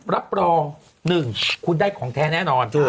รับรอง๑คุณได้ของแท้แน่นอน